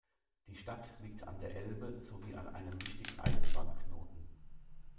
Die Stadt liegt an der Elbe sowie an einem wichtigen Eisenbahnknoten.